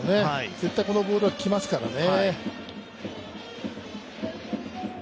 絶対このボールはきますからね。